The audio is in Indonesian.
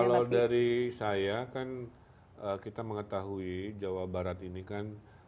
kalau dari saya kan kita mengetahui jawa barat ini kan